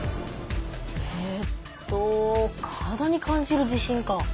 えっと体に感じる地震か。